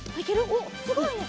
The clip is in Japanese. おっすごいね！